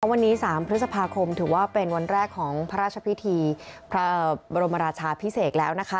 วันนี้๓พฤษภาคมถือว่าเป็นวันแรกของพระราชพิธีพระบรมราชาพิเศษแล้วนะคะ